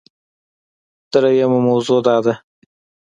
دریمه موضوع دا ده